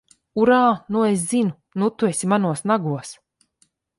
Urā! Nu es zinu! Nu tu esi manos nagos!